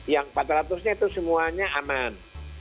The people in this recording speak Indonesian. yang empat ratus nya itu semuanya aman